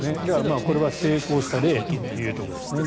これは成功した例というところですね。